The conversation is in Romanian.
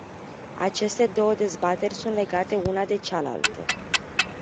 Aceste două dezbateri sunt legate una de cealaltă.